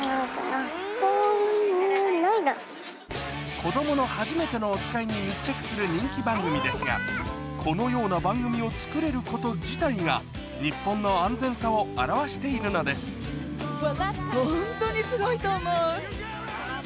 子供の初めてのお使いに密着する人気番組ですがこのような番組を作れること自体が日本の安全さを表しているのです私。